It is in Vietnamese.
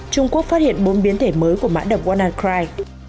trung quốc phát hiện bốn biến thể mới của mã đập wannacry